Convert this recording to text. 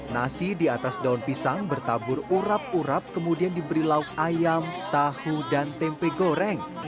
nasi di atas daun pisang bertabur urap urap kemudian diberi lauk ayam tahu dan tempe goreng